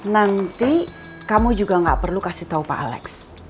nanti kamu juga gak perlu kasih tahu pak alex